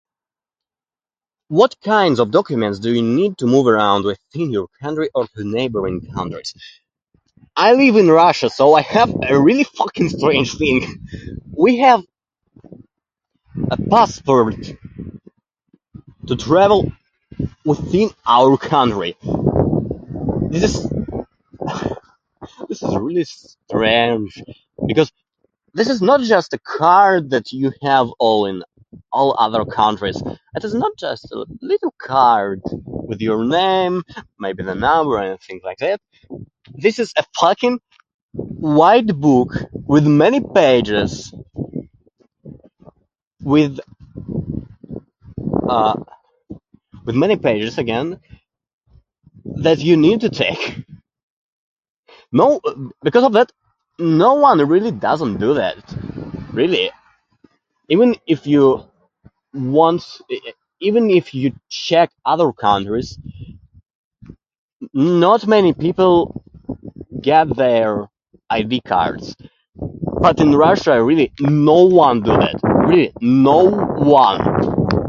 What kinds of documents do you need to move around within your country or to neighboring countries? I live in Russia, so I have a really fucking strange thing. We have a passport to travel within our country. This is... this is really strange, because this is not just a card that you have all in all other countries, it is not just a little card with your name, maybe the number and things like this. This is a fucking wide book with many pages, with, uh, with many pages again, that you need to take. No, because of that, no one really doesn't do that, really. Even if you want... even if you check other countries, not many people get their ID cards. But in Russia really no one do that. Really, no one.